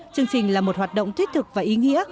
chương trình là một hoạt động thiết thực và ý nghĩa